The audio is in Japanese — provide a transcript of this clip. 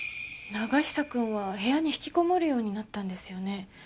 永久くんは部屋に引きこもるようになったんですよね。